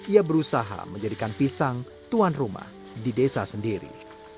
ia berusaha menjadikan pisang tuan rumah di desa sendiri